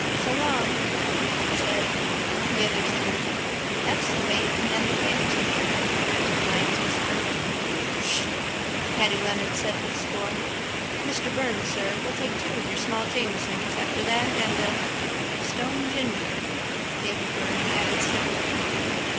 —So long! Nosey Flynn said. The others turned. —That's the man now that gave it to me, Bantam Lyons whispered. —Prrwht! Paddy Leonard said with scorn. Mr Byrne, sir, we'll take two of your small Jamesons after that and a... —Stone ginger, Davy Byrne added civilly.